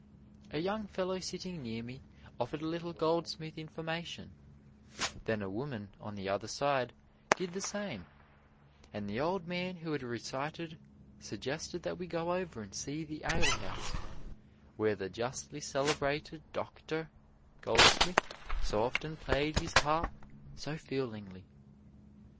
A young fellow sitting near me offered a little Goldsmith information, then a woman on the other side did the same, and the old man who had recited suggested that we go over and see the alehouse "where the justly celebhrated Docther Goldsmith so often played his harp so feelin'ly."